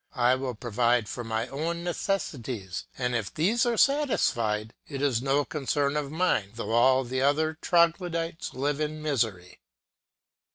I will provide for my own necessities ; and, if these are satisfied, it is no concern of mine though all the other Troglodites live in misery.